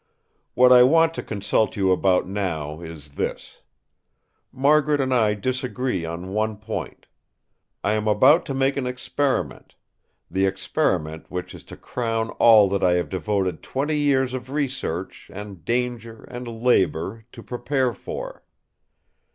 What I want to consult you about now is this: Margaret and I disagree on one point. I am about to make an experiment; the experiment which is to crown all that I have devoted twenty years of research, and danger, and labour to prepare for.